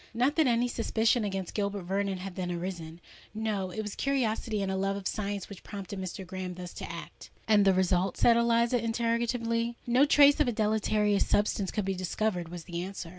Not that any suspicion against Gilbert Vernon had then arisen: no—it was curiosity and a love of science which prompted Mr. Graham thus to act." "And the result?" said Eliza, interrogatively. "No trace of a deleterious substance could be discovered," was the answer.